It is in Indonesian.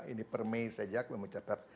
ini per mei sejak saya mencatat